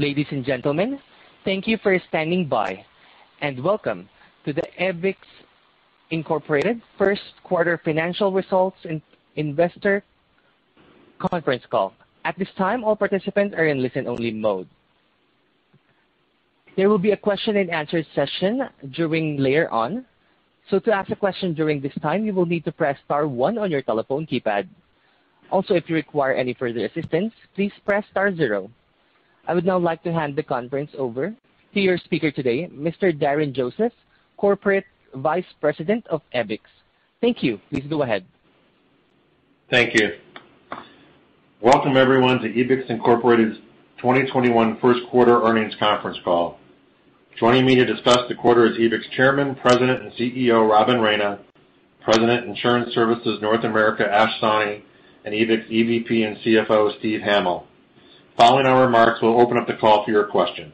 Ladies and gentlemen, thank you for standing by, and welcome to the Ebix, Inc. First Quarter Financial Results Investor Conference Call. At this time all participants are in listen only mode. I would now like to hand the conference over to your speaker today, Mr. Darren Joseph, Corporate Vice President of Finance & Human Resources, Ebix. Thank you. Please go ahead. Thank you. Welcome, everyone, to Ebix, Inc.'s 2021 first quarter earnings conference call. Joining me to discuss the quarter is Ebix Chairman, President, and CEO, Robin Raina, President, Insurance Solutions North America, Ash Sawhney, and Ebix EVP and CFO, Steve Hamil. Following our remarks, we'll open up the call to your questions.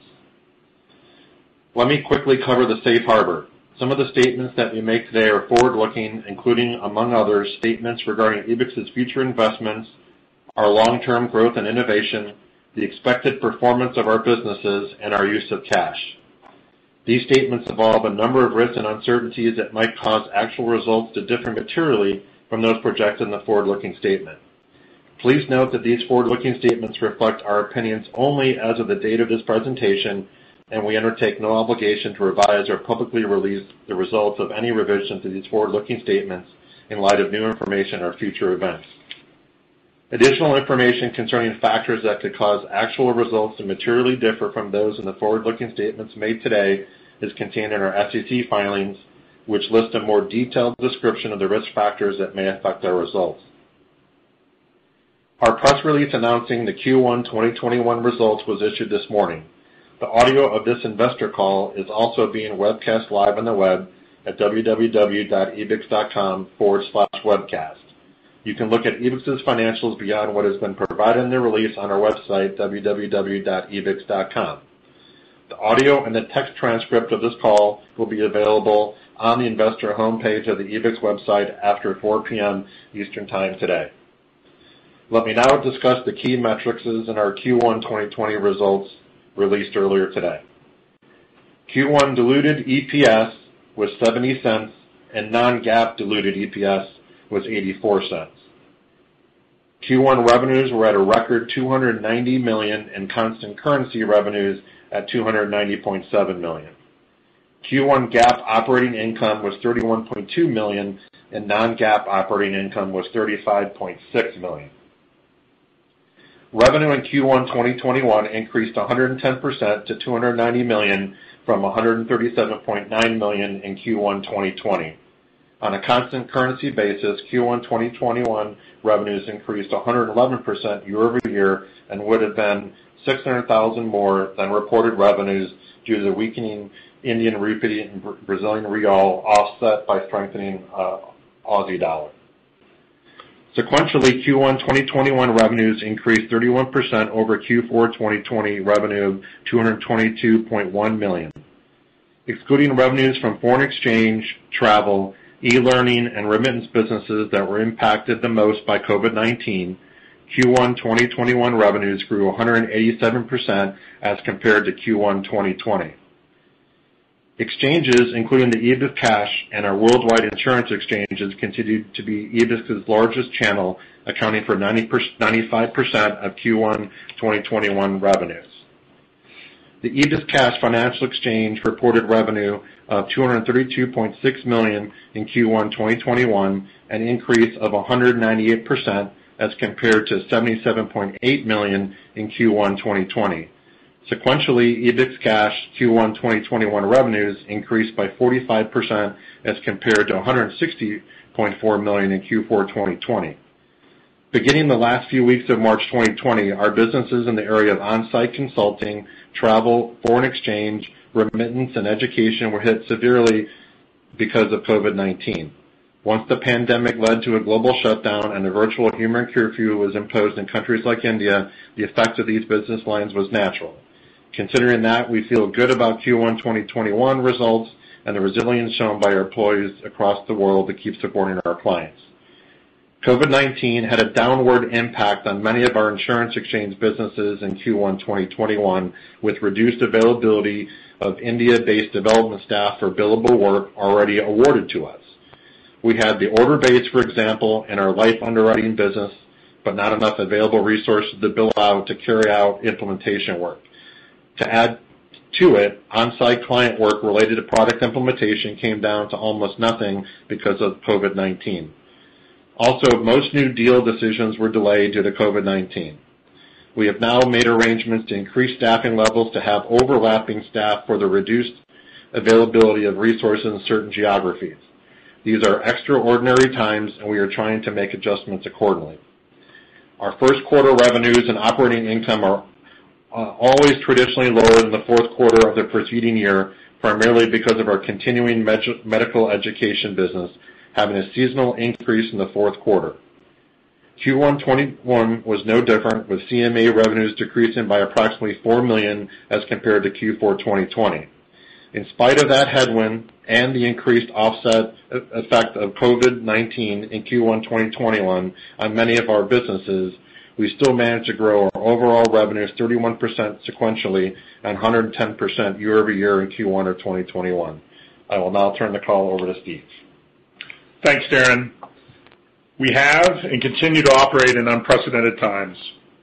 Let me quickly cover the safe harbor. Some of the statements that we make today are forward-looking, including, among others, statements regarding Ebix's future investments, our long-term growth and innovation, the expected performance of our businesses, and our use of cash. These statements involve a number of risks and uncertainties that might cause actual results to differ materially from those projected in the forward-looking statement. Please note that these forward-looking statements reflect our opinions only as of the date of this presentation, and we undertake no obligation to revise or publicly release the results of any revision to these forward-looking statements in light of new information or future events. Additional information concerning factors that could cause actual results to materially differ from those in the forward-looking statements made today is contained in our SEC filings, which list a more detailed description of the risk factors that may affect our results. Our press release announcing the Q1 2021 results was issued this morning. The audio of this investor call is also being webcast live on the web at www.ebix.com/webcast. You can look at Ebix's financials beyond what has been provided in the release on our website, www.ebix.com. The audio and the text transcript of this call will be available on the investor homepage of the Ebix website after 4:00 P.M. Eastern Time today. Let me now discuss the key metrics in our Q1 2020 results released earlier today. Q1 diluted EPS was $0.70, and non-GAAP diluted EPS was $0.84. Q1 revenues were at a record $290 million, and constant currency revenues at $290.7 million. Q1 GAAP operating income was $31.2 million, and non-GAAP operating income was $35.6 million. Revenue in Q1 2021 increased 110% to $290 million from $137.9 million in Q1 2020. On a constant currency basis, Q1 2021 revenues increased 111% year-over-year and would've been $600,000 more than reported revenues due to the weakening Indian rupee and Brazilian real offset by strengthening AUD. Sequentially, Q1 2021 revenues increased 31% over Q4 2020 revenue of $222.1 million. Excluding revenues from foreign exchange, travel, e-learning, and remittance businesses that were impacted the most by COVID-19, Q1 2021 revenues grew 187% as compared to Q1 2020. Exchanges, including the EbixCash and our worldwide insurance exchanges, continued to be Ebix's largest channel, accounting for 95% of Q1 2021 revenues. The EbixCash Financial Exchange reported revenue of $232.6 million in Q1 2021, an increase of 198% as compared to $77.8 million in Q1 2020. Sequentially, EbixCash Q1 2021 revenues increased by 45% as compared to $160.4 million in Q4 2020. Beginning the last few weeks of March 2020, our businesses in the area of on-site consulting, travel, foreign exchange, remittance, and education were hit severely because of COVID-19. Once the pandemic led to a global shutdown and a virtual human curfew was imposed in countries like India, the effect of these business lines was natural. Considering that, we feel good about Q1 2021 results and the resilience shown by our employees across the world to keep supporting our clients. COVID-19 had a downward impact on many of our insurance exchange businesses in Q1 2021, with reduced availability of India-based development staff for billable work already awarded to us. We had the order base, for example, in our life underwriting business, but not enough available resources to bill out to carry out implementation work. To add to it, on-site client work related to product implementation came down to almost nothing because of COVID-19. Also, most new deal decisions were delayed due to COVID-19. We have now made arrangements to increase staffing levels to have overlapping staff for the reduced availability of resources in certain geographies. These are extraordinary times, and we are trying to make adjustments accordingly. Our first quarter revenues and operating income are always traditionally lower than the fourth quarter of the preceding year, primarily because of our Continuing Medical Education business having a seasonal increase in the fourth quarter. Q1 2021 was no different, with CME revenues decreasing by approximately $4 million as compared to Q4 2020. In spite of that headwind and the increased offset effect of COVID-19 in Q1 2021 on many of our businesses, we still managed to grow our overall revenues 31% sequentially and 110% year-over-year in Q1 of 2021. I will now turn the call over to Steve. Thanks, Darren. We have and continue to operate in unprecedented times.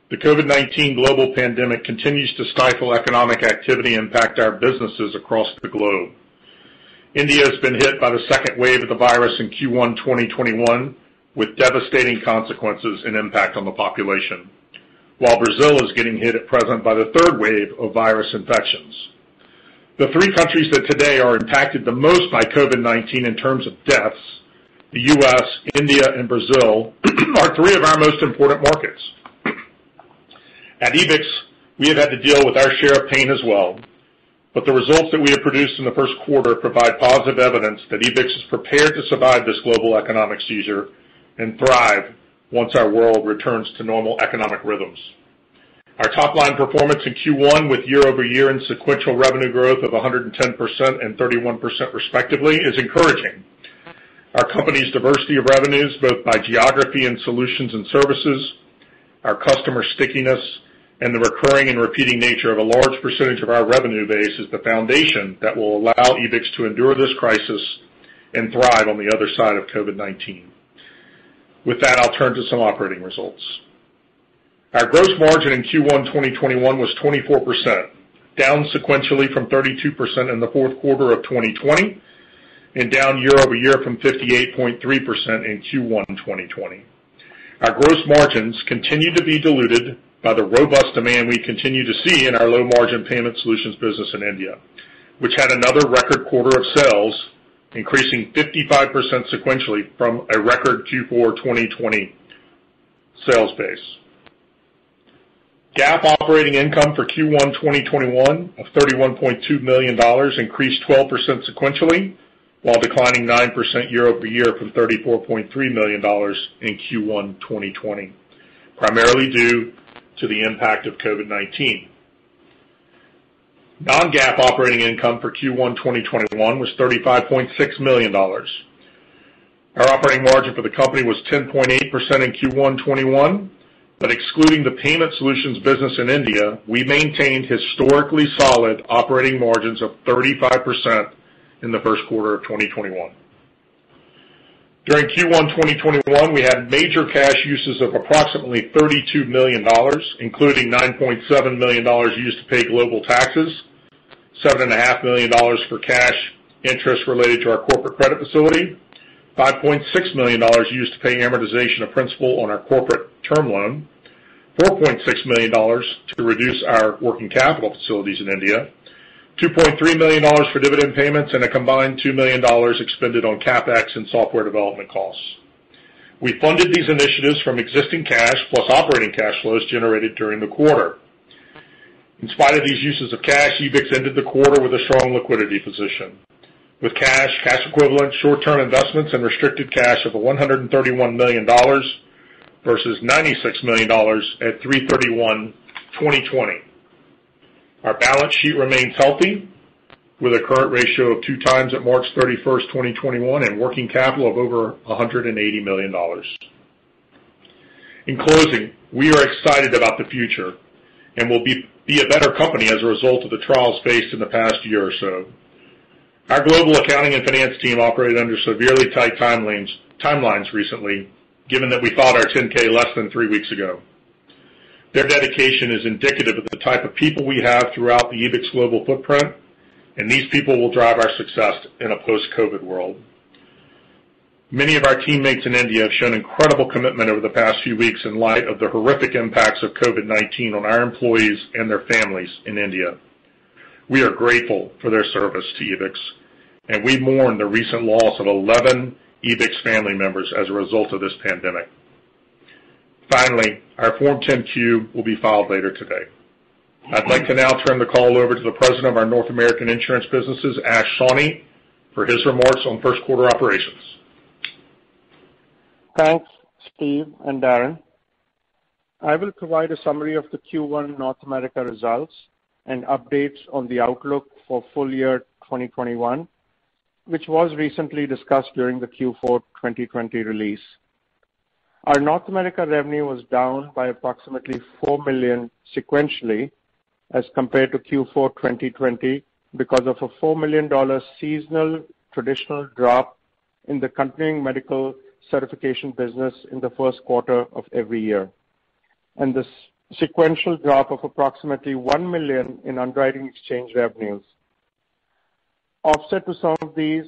The COVID-19 global pandemic continues to stifle economic activity and impact our businesses across the globe. India has been hit by the second wave of the virus in Q1 2021, with devastating consequences and impact on the population. Brazil is getting hit at present by the third wave of virus infections. The three countries that today are impacted the most by COVID-19 in terms of deaths, the U.S., India, and Brazil, are three of our most important markets. At Ebix, we have had to deal with our share of pain as well. The results that we have produced in the first quarter provide positive evidence that Ebix is prepared to survive this global economic seizure and thrive once our world returns to normal economic rhythms. Our top-line performance in Q1 with year-over-year and sequential revenue growth of 110% and 31% respectively, is encouraging. Our company's diversity of revenues, both by geography and solutions and services, our customer stickiness, and the recurring and repeating nature of a large percentage of our revenue base, is the foundation that will allow Ebix to endure this crisis and thrive on the other side of COVID-19. With that, I'll turn to some operating results. Our gross margin in Q1 2021 was 24%, down sequentially from 32% in the fourth quarter of 2020, and down year-over-year from 58.3% in Q1 2020. Our gross margins continue to be diluted by the robust demand we continue to see in our low-margin payment solutions business in India, which had another record quarter of sales, increasing 55% sequentially from a record Q4 2020 sales base. GAAP operating income for Q1 2021 of $31.2 million increased 12% sequentially, while declining 9% year-over-year from $34.3 million in Q1 2020, primarily due to the impact of COVID-19. Non-GAAP operating income for Q1 2021 was $35.6 million. Our operating margin for the company was 10.8% in Q1 2021, but excluding the payment solutions business in India, we maintained historically solid operating margins of 35% in the first quarter of 2021. During Q1 2021, we had major cash uses of approximately $32 million, including $9.7 million used to pay global taxes, $7.5 million for cash interest related to our corporate credit facility, $5.6 million used to pay amortization of principal on our corporate term loan, $4.6 million to reduce our working capital facilities in India, $2.3 million for dividend payments, and a combined $2 million expended on CapEx and software development costs. We funded these initiatives from existing cash plus operating cash flows generated during the quarter. In spite of these uses of cash, Ebix ended the quarter with a strong liquidity position. With cash equivalents, short-term investments, and restricted cash of $131 million versus $96 million at 3/31/2020. Our balance sheet remains healthy with a current ratio of two times at March 31st, 2021, and working capital of over $180 million. In closing, we are excited about the future and will be a better company as a result of the trials faced in the past year or so. Our global accounting and finance team operated under severely tight timelines recently, given that we filed our 10-K less than three weeks ago. Their dedication is indicative of the type of people we have throughout the Ebix global footprint, and these people will drive our success in a post-COVID world. Many of our teammates in India have shown incredible commitment over the past few weeks in light of the horrific impacts of COVID-19 on our employees and their families in India. We are grateful for their service to Ebix, and we mourn the recent loss of 11 Ebix family members as a result of this pandemic. Finally, our Form 10-Q will be filed later today. I'd like to now turn the call over to the President of our North American Insurance businesses, Ash Sawhney, for his remarks on first quarter operations. Thanks, Steve and Darren. I will provide a summary of the Q1 North America results and updates on the outlook for full year 2021, which was recently discussed during the Q4 2020 release. Our North America revenue was down by approximately $4 million sequentially as compared to Q4 2020 because of a $4 million seasonal traditional drop in the continuing medical education business in the first quarter of every year, and the sequential drop of approximately $1 million in underwriting exchange revenues. Offset to some of these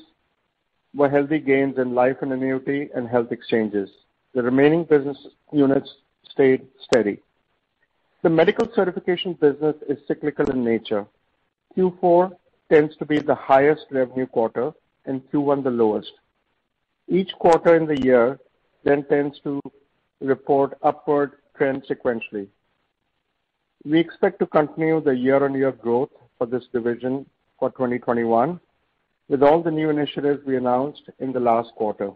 were healthy gains in life and annuity and health exchanges. The remaining business units stayed steady. The medical education business is cyclical in nature. Q4 tends to be the highest revenue quarter, and Q1 the lowest. Each quarter in the year tends to report upward trend sequentially. We expect to continue the year-on-year growth for this division for 2021 with all the new initiatives we announced in the last quarter.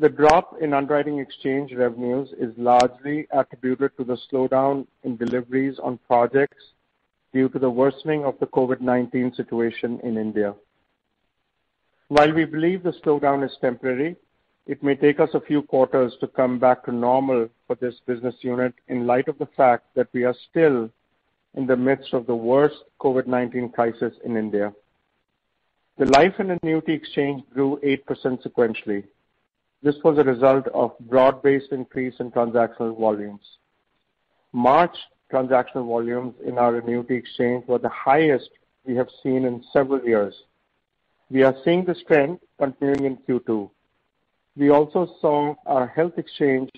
The drop in underwriting exchange revenues is largely attributed to the slowdown in deliveries on projects due to the worsening of the COVID-19 situation in India. While we believe the slowdown is temporary, it may take us a few quarters to come back to normal for this business unit in light of the fact that we are still in the midst of the worst COVID-19 crisis in India. The life and annuity exchange grew 8% sequentially. This was a result of broad-based increase in transactional volumes. March transactional volumes in our annuity exchange were the highest we have seen in several years. We are seeing this trend continuing in Q2. We also saw our health exchange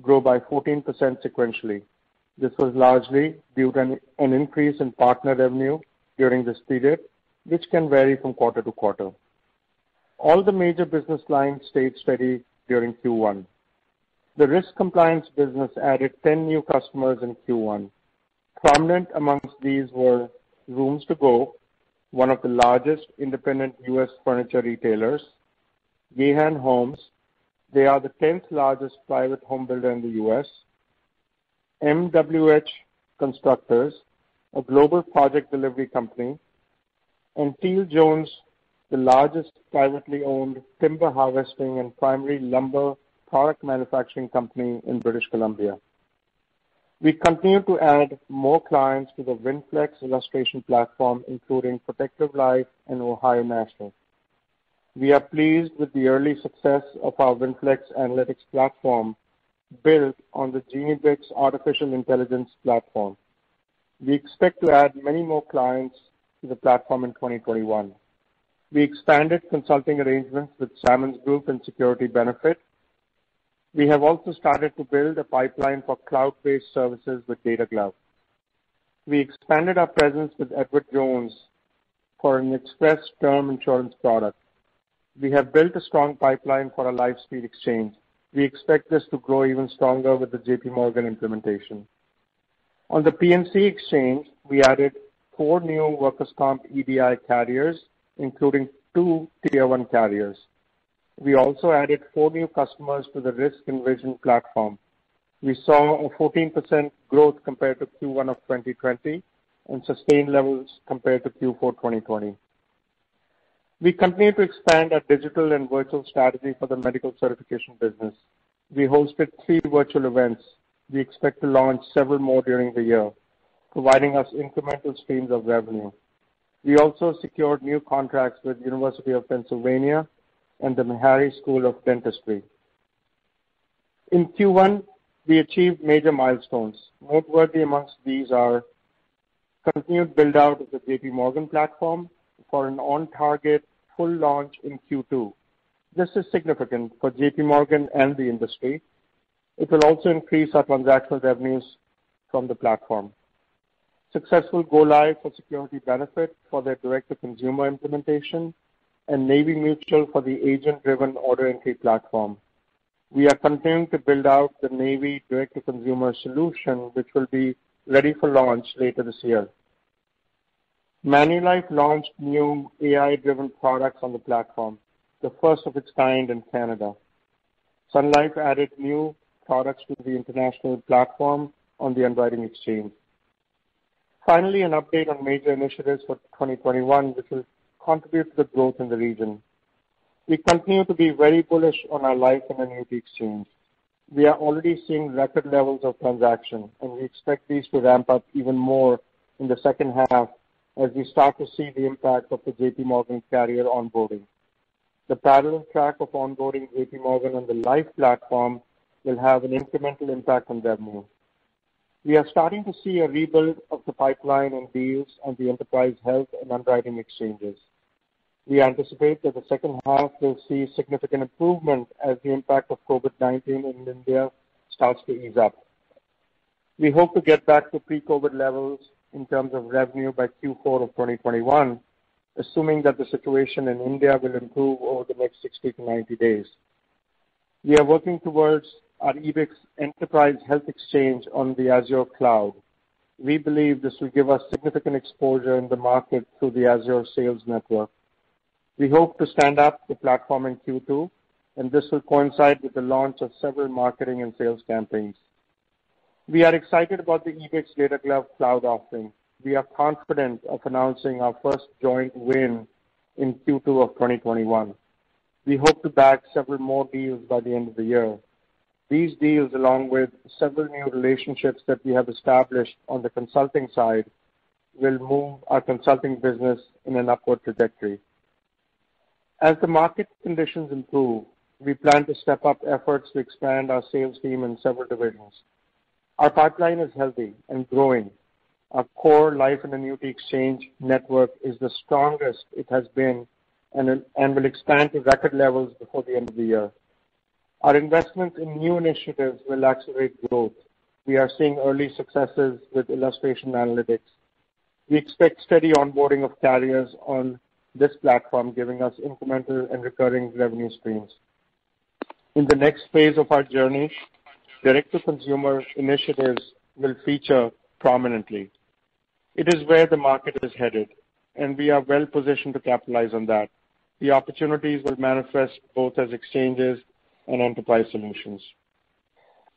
grow by 14% sequentially. This was largely due to an increase in partner revenue during this period, which can vary from quarter to quarter. All the major business lines stayed steady during Q1. The risk compliance business added 10 new customers in Q1. Prominent amongst these were Rooms To Go, one of the largest independent U.S. furniture retailers, Gehan Homes, they are the 10th largest private home builder in the U.S., MWH Constructors, a global project delivery company, and Teal-Jones, the largest privately-owned timber harvesting and primary lumber product manufacturing company in British Columbia. We continue to add more clients to the WinFlex illustration platform, including Protective Life and Ohio National. We are pleased with the early success of our WinFlex Analytics platform built on the GenieEBIX artificial intelligence platform. We expect to add many more clients to the platform in 2021. We expanded consulting arrangements with Sammons Group and Security Benefit. We have also started to build a pipeline for cloud-based services with Data Glove. We expanded our presence with Edward Jones for an express term insurance product. We have built a strong pipeline for our LifeSpeed exchange. We expect this to grow even stronger with the JPMorgan implementation. On the P&C exchange, we added four new workers' comp EDI carriers, including two tier-1 carriers. We also added four new customers to the RiskVision platform. We saw a 14% growth compared to Q1 of 2020 and sustained levels compared to Q4 2020. We continue to expand our digital and virtual strategy for the medical certification business. We hosted three virtual events. We expect to launch several more during the year, providing us incremental streams of revenue. We also secured new contracts with University of Pennsylvania and the Meharry School of Dentistry. In Q1, we achieved major milestones. Noteworthy amongst these are continued build-out of the JPMorgan platform for an on-target full launch in Q2. This is significant for JPMorgan and the industry. It will also increase our transactional revenues from the platform. Successful go-live for Security Benefit for their direct-to-consumer implementation and Navy Mutual for the agent-driven order entry platform. We are continuing to build out the Navy direct-to-consumer solution, which will be ready for launch later this year. Manulife launched new AI-driven products on the platform, the first of its kind in Canada. Sun Life added new products to the international platform on the underwriting exchange. Finally, an update on major initiatives for 2021 that will contribute to the growth in the region. We continue to be very bullish on our life and annuity exchange. We are already seeing record levels of transaction, and we expect these to ramp up even more in the second half as we start to see the impact of the JPMorgan carrier onboarding. The parallel track of onboarding JPMorgan on the live platform will have an incremental impact on revenue. We are starting to see a rebuild of the pipeline and deals on the enterprise health and underwriting exchanges. We anticipate that the second half will see significant improvement as the impact of COVID-19 in India starts to ease up. We hope to get back to pre-COVID levels in terms of revenue by Q4 of 2021, assuming that the situation in India will improve over the next 60 to 90 days. We are working towards our Ebix enterprise health exchange on the Azure cloud. We believe this will give us significant exposure in the market through the Azure sales network. We hope to stand up the platform in Q2, and this will coincide with the launch of several marketing and sales campaigns. We are excited about the Ebix Data Glove cloud offering. We are confident of announcing our first joint win in Q2 of 2021. We hope to bag several more deals by the end of the year. These deals, along with several new relationships that we have established on the consulting side, will move our consulting business in an upward trajectory. As the market conditions improve, we plan to step up efforts to expand our sales team in several divisions. Our pipeline is healthy and growing. Our core life and annuity exchange network is the strongest it has been and will expand to record levels before the end of the year. Our investments in new initiatives will accelerate growth. We are seeing early successes with Illustration Analytics. We expect steady onboarding of carriers on this platform, giving us incremental and recurring revenue streams. In the next phase of our journey, direct-to-consumer initiatives will feature prominently. It is where the market is headed, and we are well-positioned to capitalize on that. The opportunities will manifest both as exchanges and enterprise solutions.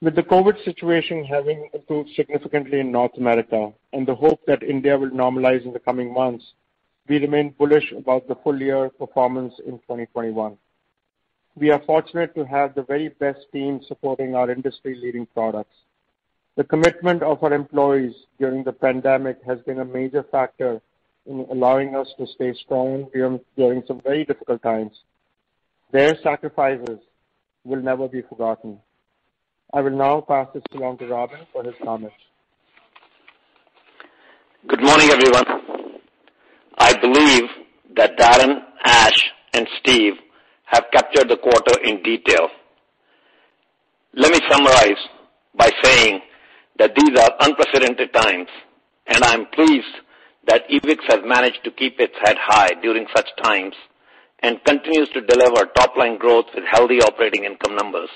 With the COVID-19 situation having improved significantly in North America and the hope that India will normalize in the coming months, we remain bullish about the full-year performance in 2021. We are fortunate to have the very best team supporting our industry-leading products. The commitment of our employees during the pandemic has been a major factor in allowing us to stay strong during some very difficult times. Their sacrifices will never be forgotten. I will now pass it along to Robin for his comments. Good morning, everyone. I believe that Darren, Ash, and Steve have captured the quarter in detail. Let me summarize by saying that these are unprecedented times, and I'm pleased that Ebix has managed to keep its head high during such times and continues to deliver top-line growth and healthy operating income numbers.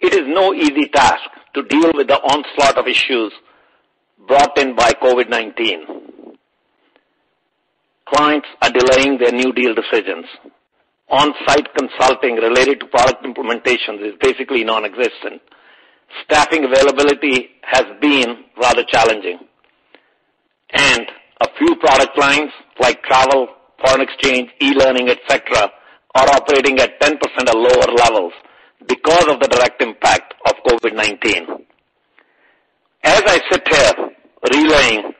It is no easy task to deal with the onslaught of issues brought in by COVID-19. Clients are delaying their new deal decisions. On-site consulting related to product implementations is basically nonexistent. Staffing availability has been rather challenging. A few product lines like travel, foreign exchange, e-learning, et cetera, are operating at 10% or lower levels because of the direct impact of COVID-19. As I sit here relaying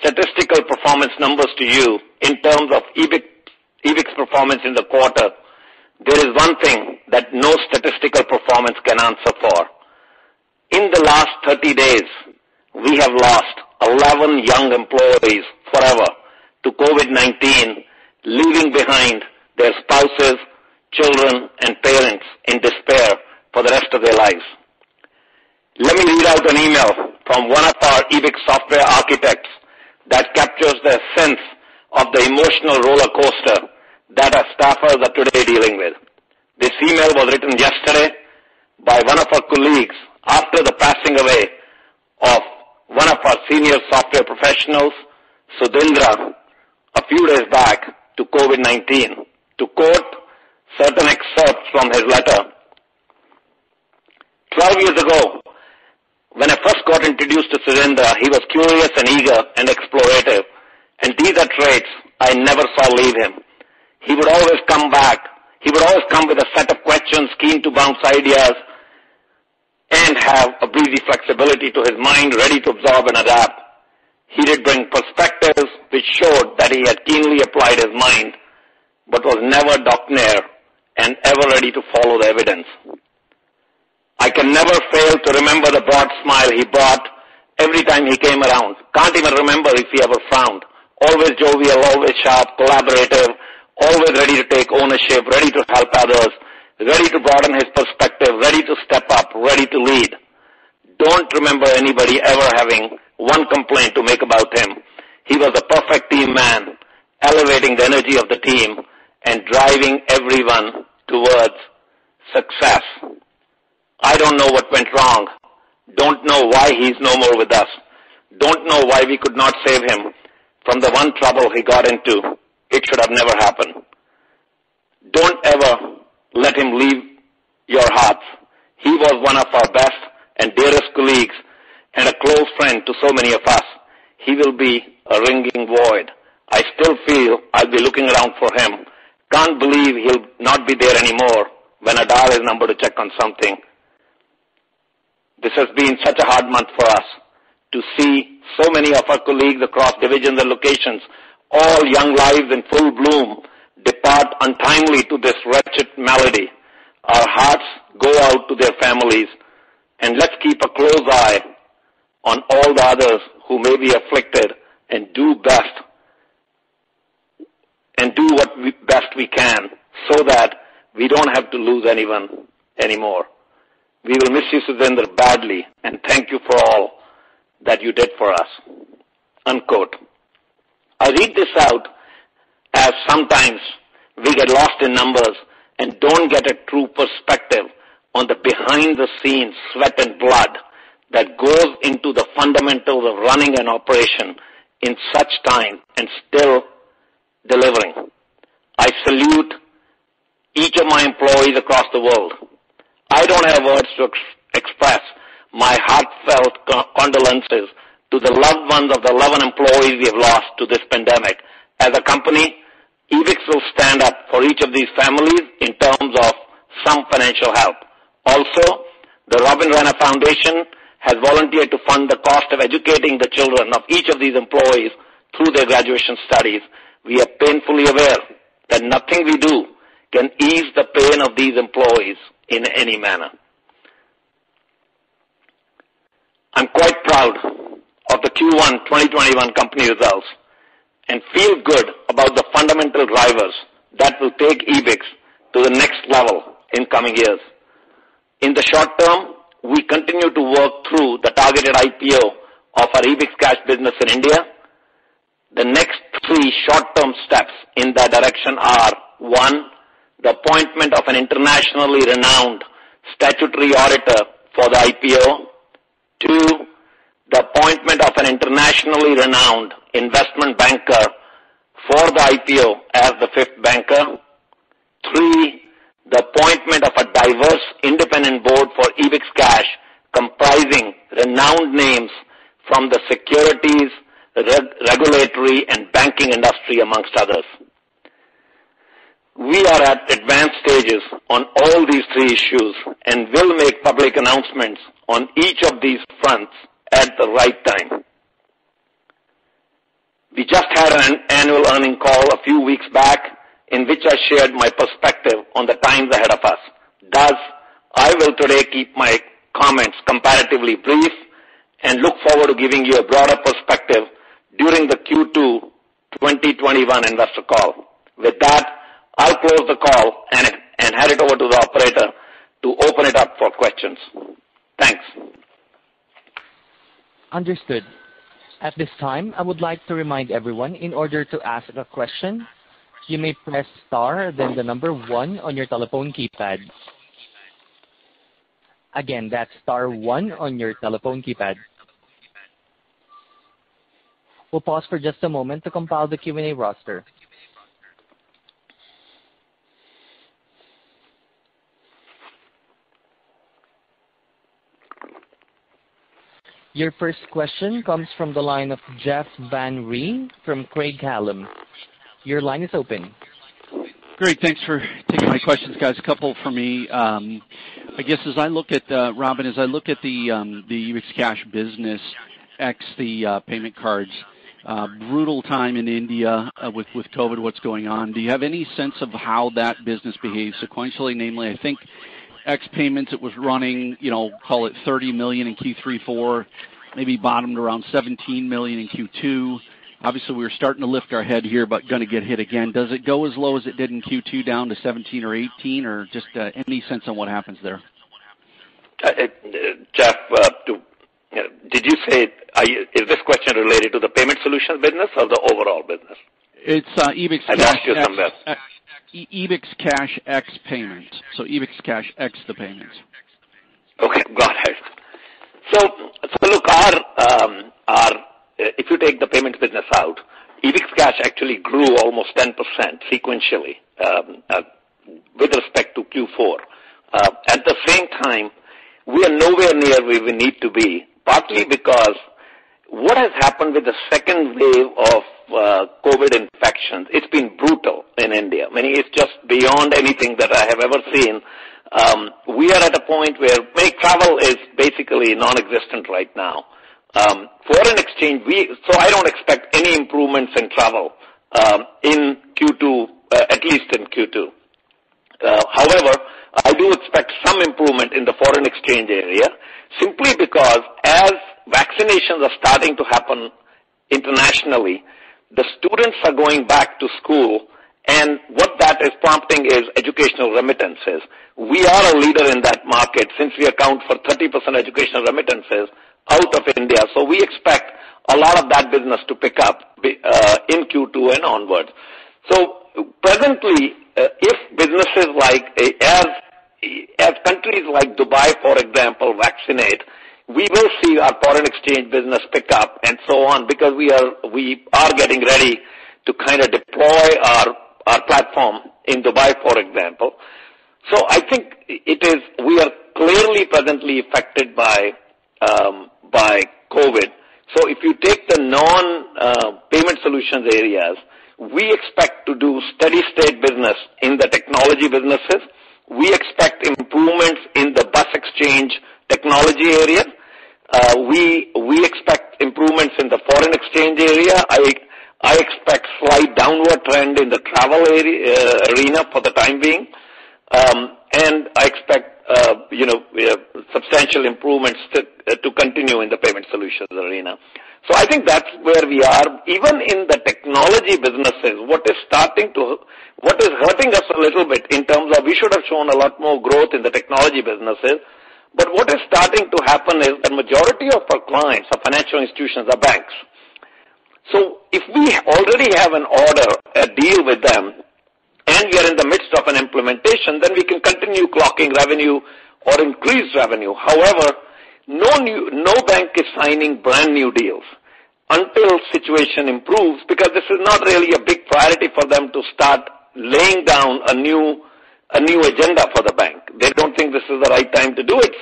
statistical performance numbers to you in terms of Ebix performance in the quarter, there is one thing that no statistical performance can answer for. In the last 30 days, we have lost 11 young employees forever to COVID-19, leaving behind their spouses, children, and parents in despair for the rest of their lives. Let me read out an email from one of our Ebix software architects that captures the sense of the emotional rollercoaster that our staffers are today dealing with. This email was written yesterday by one of our colleagues after the passing away of one of our senior software professionals, Sudhindra, a few days back to COVID-19. To quote certain excerpts from his letter, "12 years ago, when I first got introduced to Sudhindra, he was curious and eager and explorative, and these are traits I never saw leave him. He would always come with a set of questions, keen to bounce ideas, and have a breezy flexibility to his mind, ready to absorb and adapt. He did bring perspectives which showed that he had keenly applied his mind but was never dogmatic and ever ready to follow evidence. I can never fail to remember the broad smile he brought every time he came around. Can't even remember if he ever frowned. Always jovial, always sharp, collaborative, always ready to take ownership, ready to help others, ready to broaden his perspective, ready to step up, ready to lead. Don't remember anybody ever having one complaint to make about him. He was a perfect team man, elevating the energy of the team and driving everyone towards success. I don't know what went wrong. Don't know why he's no more with us. Don't know why we could not save him from the one trouble he got into. It should have never happened. Don't ever let him leave your hearts. He was one of our best and dearest colleagues and a close friend to so many of us. He will be a ringing void. I still feel I'll be looking around for him. Can't believe he'll not be there anymore when I dial his number to check on something. This has been such a hard month for us to see so many of our colleagues across divisions and locations, all young lives in full bloom, depart untimely to this wretched malady. Our hearts go out to their families, and let's keep a close eye on all the others who may be afflicted and do what best we can so that we don't have to lose anyone anymore. We will miss you, Sudhindra, badly, and thank you for all that you did for us." Unquote. I read this out as sometimes we get lost in numbers and don't get a true perspective on the behind-the-scenes sweat and blood that goes into the fundamentals of running an operation in such time and still delivering. I salute each of my employees across the world. I don't have words to express my heartfelt condolences to the loved ones of the 11 employees we've lost to this pandemic. As a company, Ebix will stand up for each of these families in terms of some financial help. The Robin Raina Foundation has volunteered to fund the cost of educating the children of each of these employees through their graduation studies. We are painfully aware that nothing we do can ease the pain of these employees in any manner. I'm quite proud of the Q1 2021 company results and feel good about the fundamental drivers that will take Ebix to the next level in coming years. In the short term, we continue to work through the targeted IPO of our EbixCash business in India. The next three short-term steps in that direction are: one, the appointment of an internationally renowned statutory auditor for the IPO. Two, the appointment of an internationally renowned investment banker for the IPO as the fifth banker. Three, the appointment of a diverse independent board for EbixCash, comprising renowned names from the securities, regulatory, and banking industry, amongst others. We are at advanced stages on all these three issues and will make public announcements on each of these fronts at the right time. We just had an annual earning call a few weeks back in which I shared my perspective on the times ahead of us. Thus, I will today keep my comments comparatively brief and look forward to giving you a broader perspective during the Q2 2021 investor call. With that, I will close the call and hand it over to the operator to open it up for questions. Thanks. Understood. At this time, I would like to remind everyone, in order to ask a question, you may press star, then the number one on your telephone keypad. Again, that's star one on your telephone keypad. We'll pause for just a moment to compile the Q&A roster. Your first question comes from the line of Jeff Van Rhee from Craig-Hallum. Your line is open. Great. Thanks for taking my questions, guys. A couple for me. Robin, as I look at the EbixCash business, ex the payment cards, brutal time in India with COVID, what's going on? Do you have any sense of how that business behaves sequentially? I think ex-payments, it was running, call it $30 million in Q3, four, maybe bottomed around $17 million in Q2. Obviously, we're starting to lift our head here, going to get hit again. Does it go as low as it did in Q2 down to 17 or 18, or just any sense on what happens there? Jeff, is this question related to the payment solutions business or the overall business? It's Ebix. I lost you somewhere. EbixCash ex-payments. EbixCash ex the payments. Okay, got it. Look, if you take the payments business out, EbixCash actually grew almost 10% sequentially with respect to Q4. At the same time, we are nowhere near where we need to be, partly because what has happened with the second wave of COVID-19 infections, it's been brutal in India. I mean, it's just beyond anything that I have ever seen. We are at a point where travel is basically non-existent right now. Foreign exchange, I don't expect any improvements in travel, at least in Q2. However, I do expect some improvement in the foreign exchange area, simply because as vaccinations are starting to happen internationally, the students are going back to school, and what that is prompting is educational remittances. We are a leader in that market since we account for 30% educational remittances out of India. We expect a lot of that business to pick up in Q2 and onwards. Presently, as countries like Dubai, for example, vaccinate, we will see our foreign exchange business pick up and so on because we are getting ready to deploy our platform in Dubai, for example. I think we are clearly presently affected by COVID. If you take the non-payment solutions areas, we expect to do steady state business in the technology businesses. We expect improvements in the bus exchange technology area. We expect improvements in the foreign exchange area. I expect slight downward trend in the travel arena for the time being. I expect substantial improvements to continue in the payment solutions arena. I think that's where we are. Even in the technology businesses, what is hurting us a little bit in terms of we should have shown a lot more growth in the technology businesses. What is starting to happen is the majority of our clients are financial institutions or banks. If we already have an order, a deal with them, and we are in the midst of an implementation, then we can continue clocking revenue or increase revenue. However, no bank is signing brand-new deals until situation improves, because this is not really a big priority for them to start laying down a new agenda for the bank. They don't think this is the right time to do it.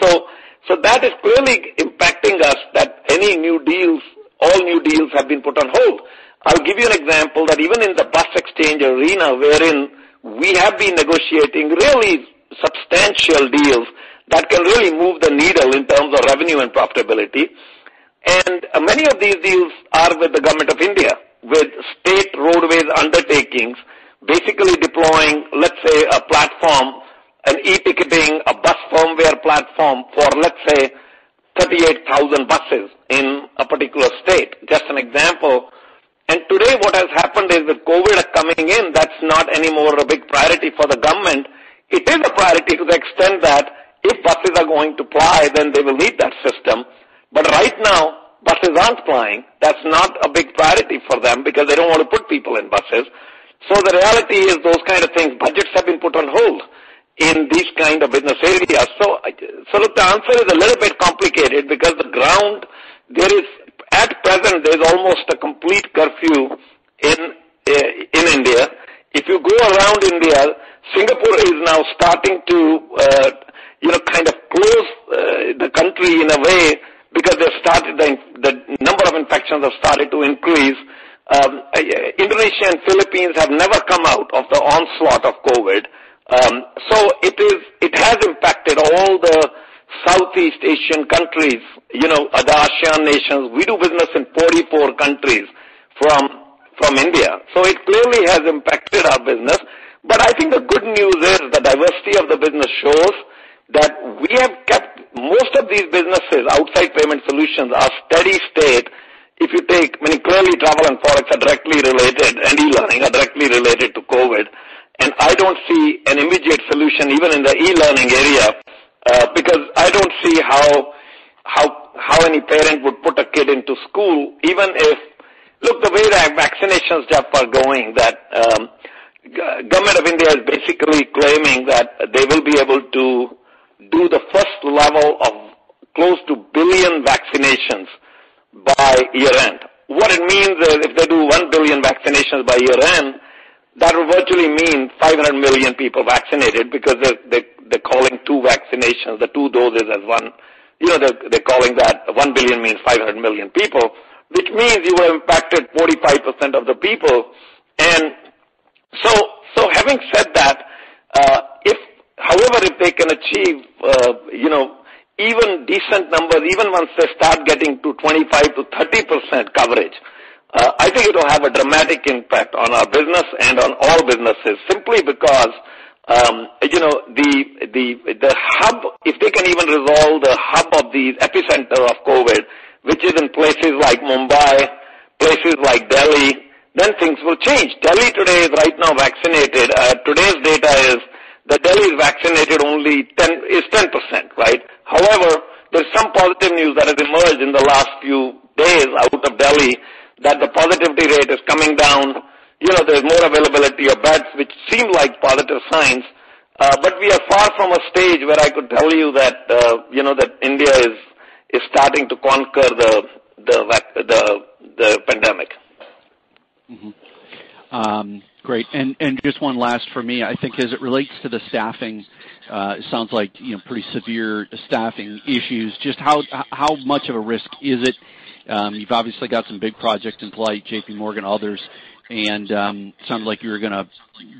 That is clearly impacting us that all new deals have been put on hold. I'll give you an example that even in the bus exchange arena, wherein we have been negotiating really substantial deals that can really move the needle in terms of revenue and profitability. Many of these deals are with the Government of India, with state roadways undertakings, basically deploying, let's say, a platform, an e-ticketing, a bus firmware platform for, let's say, 38,000 buses in a particular state, just an example. Today, what has happened is with COVID coming in, that's not anymore a big priority for the government. It is a priority to the extent that if buses are going to ply, then they will need that system. Right now, buses aren't plying. That's not a big priority for them, because they don't want to put people in buses. The reality is those kind of things, budgets have been put on hold in these kind of business areas. The answer is a little bit complicated because at present, there's almost a complete curfew in India. If you go around India, Singapore is now starting to kind of close the country in a way, because the number of infections have started to increase. Indonesia and Philippines have never come out of the onslaught of COVID. It has impacted all the Southeast Asian countries, the ASEAN nations. We do business in 44 countries from India. It clearly has impacted our business. I think the good news is the diversity of the business shows that we have kept most of these businesses outside payment solutions are steady state. Clearly travel and products are directly related, and e-learning are directly related to COVID, and I don't see an immediate solution even in the e-learning area, because I don't see how any parent would put a kid into school even if Look, the way the vaccination steps are going, Government of India is basically claiming that they will be able to do the first level of close to 1 billion vaccinations by year-end. What it means is, if they do 1 billion vaccinations by year-end, that will virtually mean 500 million people vaccinated, because they're calling two vaccinations, the two doses as one. They're calling that 1 billion means 500 million people, which means you have impacted 45% of the people. Having said that, however, if they can achieve even decent numbers, even once they start getting to 25% to 30% coverage, I think it will have a dramatic impact on our business and on all businesses, simply because if they can even resolve the hub of these epicenter of COVID-19, which is in places like Mumbai, places like Delhi, then things will change. Delhi today is right now vaccinated. Today's data is that Delhi is vaccinated only is 10%, right? However, there's some positive news that has emerged in the last few days out of Delhi that the positivity rate is coming down. There's more availability of beds, which seem like positive signs. We are far from a stage where I could tell you that India is starting to conquer the pandemic. Great. Just one last from me, I think as it relates to the staffing, it sounds like pretty severe staffing issues. Just how much of a risk is it? You've obviously got some big projects in play, JPMorgan, others, and sounds like you're going to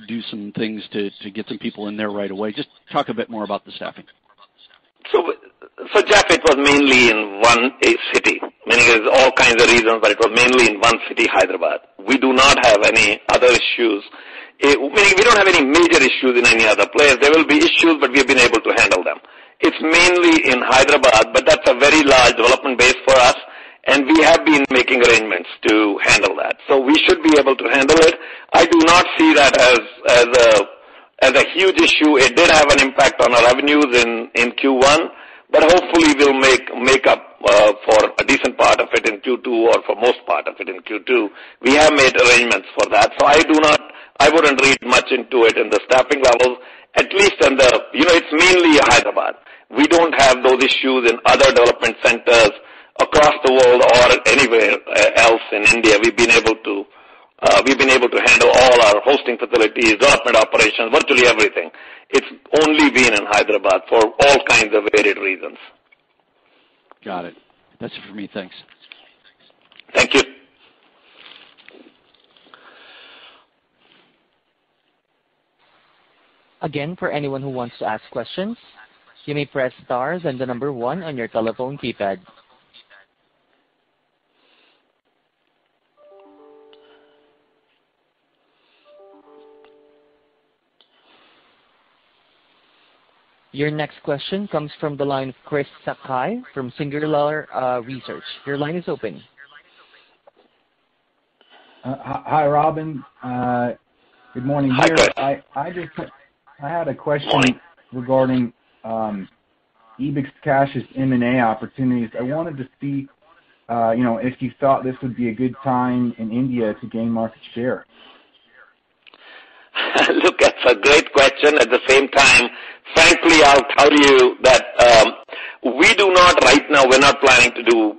do some things to get some people in there right away. Just talk a bit more about the staffing. Jeff, it was mainly in one city, meaning there's all kinds of reasons, but it was mainly in one city, Hyderabad. We do not have any other issues. We don't have any major issues in any other place. There will be issues, but we've been able to handle them. It's mainly in Hyderabad, but that's a very large development base for us, and we have been making arrangements to handle that. We should be able to handle it. I do not see that as a huge issue. It did have an impact on our revenues in Q1, but hopefully we'll make up for a decent part of it in Q2 or for most part of it in Q2. We have made arrangements for that. I wouldn't read much into it in the staffing levels, at least it's mainly Hyderabad. We don't have those issues in other development centers across the world or anywhere else in India. We've been able to handle all our hosting facilities, development operations, virtually everything. It's only been in Hyderabad for all kinds of varied reasons. Got it. That's it for me. Thanks. Thank you. Again, for anyone who wants to ask questions, you may press star and the number one on your telephone keypad. Your next question comes from the line of Chris Sakai from Singular Research. Your line is open. Hi, Robin. Good morning. Hi, Chris. I had a question regarding EbixCash's M&A opportunities. I wanted to see if you thought this would be a good time in India to gain market share. Look, that's a great question. At the same time, frankly, I'll tell you that right now, we're not planning to do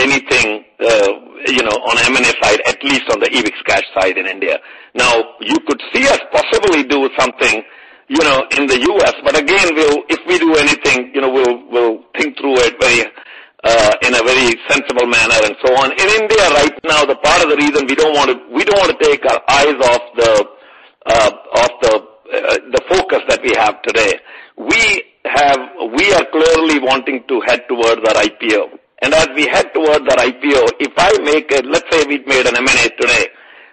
anything on M&A side, at least on the EbixCash side in India. You could see us possibly do something in the U.S., but again, if we do anything, we'll think through it in a very sensible manner and so on. In India right now, the part of the reason, we don't want to take our eyes off the focus that we have today. We are clearly wanting to head towards that IPO. As we head towards that IPO, let's say we've made an M&A today,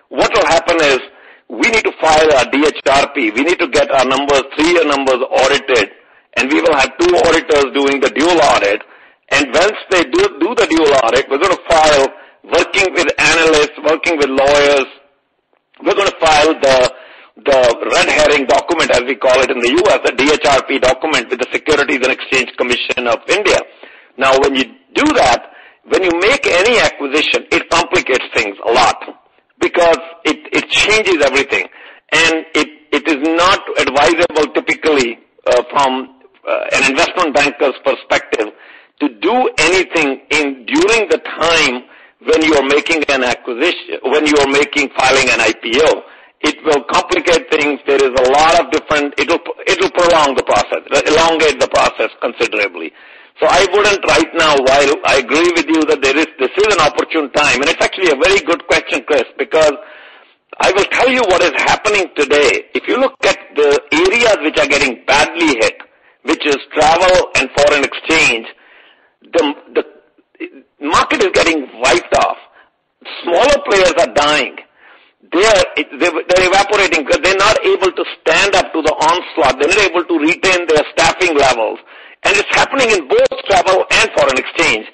what will happen is, we need to file our DRHP. We need to get our three-year numbers audited, and we will have two auditors doing the dual audit. Once they do the dual audit, we're going to file, working with analysts, working with lawyers, we're going to file the red herring document, as we call it in the U.S., the DRHP document with the Securities and Exchange Board of India. Now, when you do that, when you make any acquisition, it complicates things a lot because it changes everything. It is not advisable typically, from an investment banker's perspective, to do anything during the time when you are making an acquisition, filing an IPO. It will complicate things. It will prolong the process, elongate the process considerably. I wouldn't right now, while I agree with you that this is an opportune time, and it's actually a very good question, Chris, because I will tell you what is happening today. If you look at the areas which are getting badly hit, which is travel and foreign exchange, the market is getting wiped off. Smaller players are dying. They're evaporating because they're not able to stand up to the onslaught. They're not able to retain their staffing levels. It's happening in both travel and foreign exchange.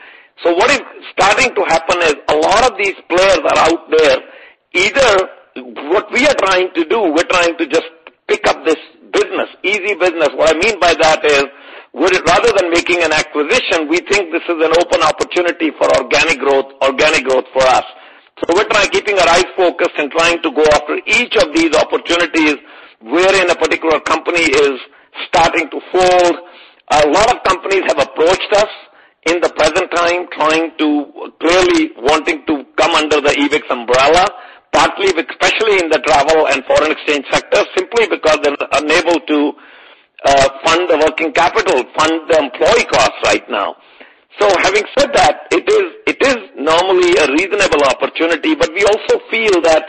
What is starting to happen is a lot of these players are out there. What we are trying to do, we're trying to just pick up this business, easy business. What I mean by that is, rather than making an acquisition, we think this is an open opportunity for organic growth for us. We're trying keeping our eyes focused and trying to go after each of these opportunities wherein a particular company is starting to fold. A lot of companies have approached us in the present time clearly wanting to come under the Ebix umbrella, partly especially in the travel and foreign exchange sector, simply because they're unable to fund the working capital, fund the employee costs right now. Having said that, it is normally a reasonable opportunity, but we also feel that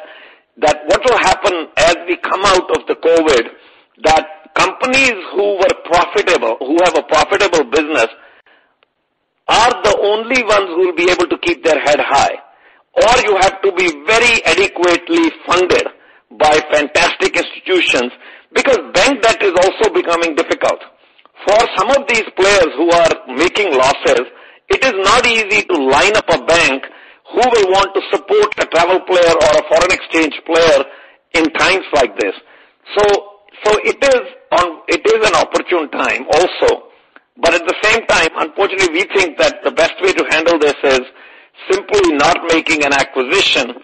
what will happen as we come out of the COVID, that companies who were profitable, who have a profitable business, are the only ones who will be able to keep their head high. You have to be very adequately funded by fantastic institutions, because bank debt is also becoming difficult. For some of these players who are making losses, it is not easy to line up a bank who will want to support a travel player or a foreign exchange player in times like this. It is an opportune time also. At the same time, unfortunately, we think that the best way to handle this is simply not making an acquisition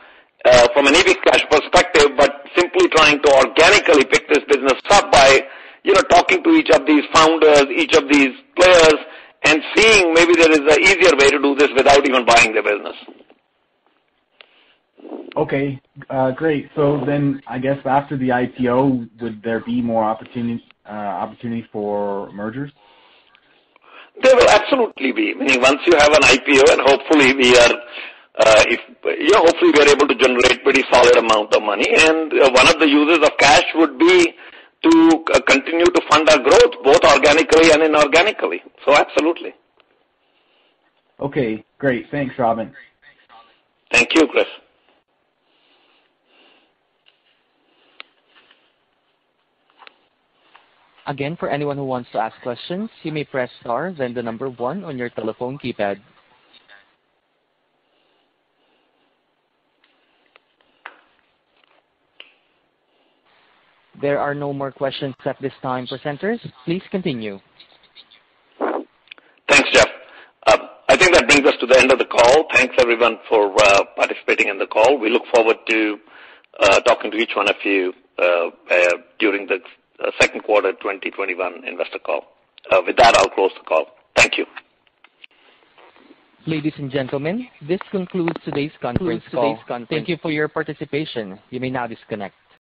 from an EbixCash perspective, but simply trying to organically pick this business up by talking to each of these founders, each of these players, and seeing maybe there is an easier way to do this without even buying the business. Okay. Great. I guess after the IPO, would there be more opportunities for mergers? There will absolutely be. Meaning, once you have an IPO and hopefully we are able to generate pretty solid amount of money, and one of the uses of cash would be to continue to fund our growth, both organically and inorganically. Absolutely. Okay, great. Thanks, Robin. Thank you, Chris. Again, for anyone who wants to ask questions, you may press star then the number one on your telephone keypad. There are no more questions at this time. Presenters, please continue. Thanks, Jeff. I think that brings us to the end of the call. Thanks, everyone, for participating in the call. We look forward to talking to each one of you during the second quarter 2021 investor call. With that, I'll close the call. Thank you. Ladies and gentlemen, this concludes today's conference call. Thank you for your participation. You may now disconnect.